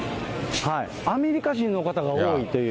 アメリカ人の方が多いという。